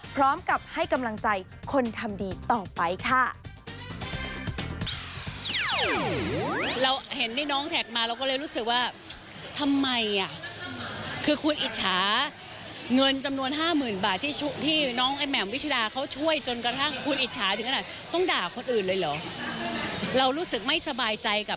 พร้อมกับให้กำลังใจคนทำดีต่อไปค่ะ